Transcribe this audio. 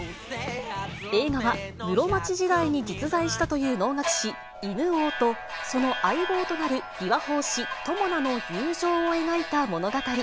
映画は、室町時代に実在したという能楽師、犬王と、その相棒となる琵琶法師、友魚の友情を描いた物語。